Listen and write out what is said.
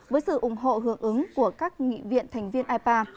với sự ủng hộ hưởng ứng của các nghị viện thành viên ipa